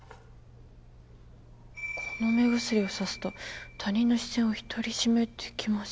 「この目薬を注すと他人の視線を独り占めできます」